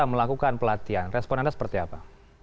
melakukan pelatihan respon anda seperti apa